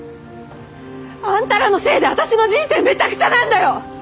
あんたらのせいで私の人生めちゃくちゃなんだよ！